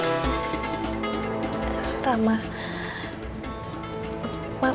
makasih banyak ya kamu udah berusaha nemuin bunga itu buat aku